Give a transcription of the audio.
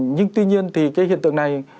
nhưng tuy nhiên thì cái hiện tượng này